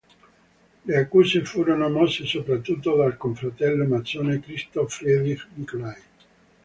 Le accuse furono mosse soprattutto dal confratello massone Christoph Friedrich Nicolai.